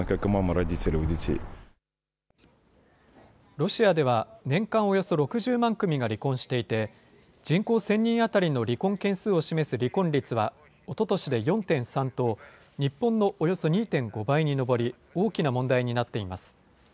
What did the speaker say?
ロシアでは、年間およそ６０万組が離婚していて、人口１０００人当たりの離婚件数を示す離婚率は、おととしで４．３と日本のおよそ２．５倍に上り、大きな問題になっています。